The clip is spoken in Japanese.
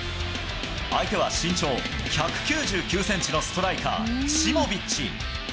相手は身長１９９センチのストライカー、シモビッチ。